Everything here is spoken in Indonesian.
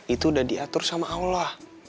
itu udah diatur sama allah